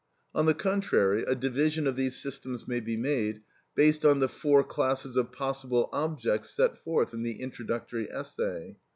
On the contrary, a division of these systems may be made, based on the four classes of possible objects set forth in the introductory essay.